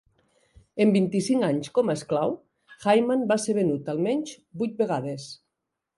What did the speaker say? En vint-i-cinc anys com a esclau, Hyman va ser venut almenys vuit vegades.